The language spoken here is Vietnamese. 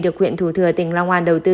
được huyện thủ thừa tỉnh long hoa đầu tư